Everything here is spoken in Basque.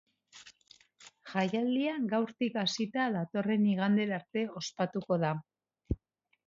Jaialdia gaurtik hasita datorren iganderarte ospatuko da.